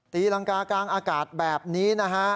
ตีรังกากลางอากาศแบบนี้นะฮะ